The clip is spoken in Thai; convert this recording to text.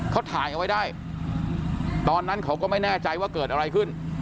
เขาถ่ายเอาไว้ได้ตอนนั้นเขาก็ไม่แน่ใจว่าเกิดอะไรขึ้น